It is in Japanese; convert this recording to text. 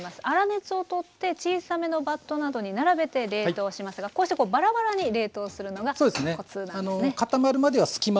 粗熱を取って小さめのバットなどに並べて冷凍しますがこうしてバラバラに冷凍するのがコツなんですね？